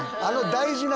大事な。